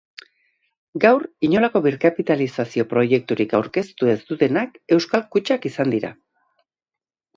Gaur inolako birkapitalizazio proiekturik aurkeztu ez dutenak euskal kutxak izan dira.